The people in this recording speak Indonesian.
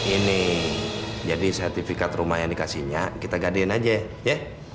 ini jadi sertifikat rumah yang dikasihnya kita gadein aja ya